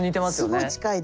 すごい近いです。